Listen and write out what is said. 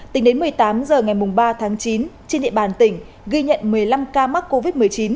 tính đến một mươi tám h ngày ba tháng chín trên địa bàn tỉnh ghi nhận một mươi năm ca mắc covid một mươi chín